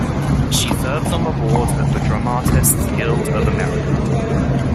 She serves on the board of the Dramatists Guild of America.